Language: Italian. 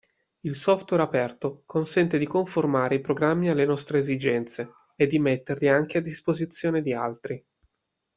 Il software aperto consente di conformare i programmi alle nostre esigenze e di metterli anche a disposizione di altri.